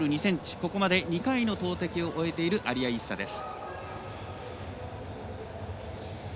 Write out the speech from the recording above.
ここまで２回の投てきを終えているアリア・イッサです。